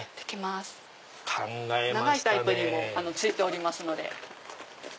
長いタイプにも付いております。